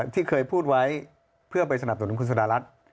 ที่เคยพูดไว้เพื่อไปสนับสนุนคุณสุดารัฐ